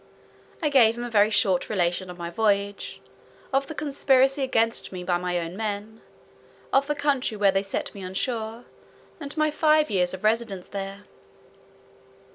I gave him a very short relation of my voyage; of the conspiracy against me by my own men; of the country where they set me on shore, and of my five years residence there.